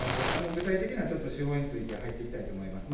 具体的な、ちょっと手法について入っていきたいと思います。